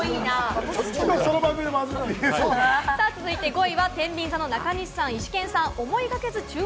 ５位はてんびん座の中西さん、イシケンさん。